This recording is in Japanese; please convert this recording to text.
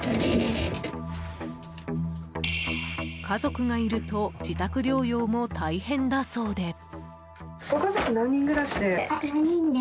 家族がいると自宅療養も大変だそうで。